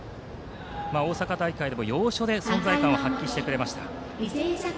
大阪大会でも要所で存在感を発揮してくれました。